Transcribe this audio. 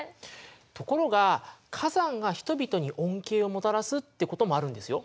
ところが火山が人々に恩恵をもたらすってこともあるんですよ。